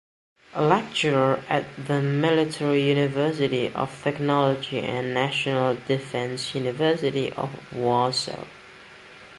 A lecturer at the Military University of Technology and National Defence University of Warsaw.